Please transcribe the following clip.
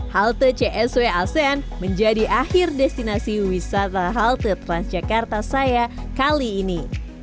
halte csw asean menjadi akhir destinasi wisata halte transjakarta saya kali ini